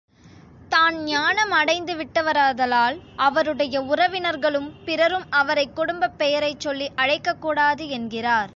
தான் ஞானம் அடைந்து விட்டவராதலால் அவருடைய உறவினர்களும் பிறரும் அவரைக் குடும்பப் பெயரைச் சொல்லி அழைக்கக் கூடாது என்கிறார்.